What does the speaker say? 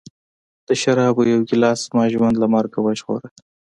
د شرابو یوه ګیلاس زما ژوند له مرګ وژغوره